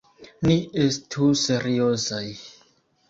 Ni estu seriozaj!